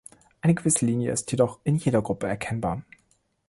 Eine gewisse Linie ist dennoch in jeder Gruppe erkennbar.